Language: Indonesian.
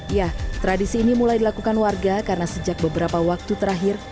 ya tradisi ini mulai dilakukan warga karena sejak beberapa waktu terakhir